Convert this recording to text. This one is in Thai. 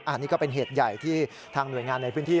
อันนี้ก็เป็นเหตุใหญ่ที่ทางหน่วยงานในพื้นที่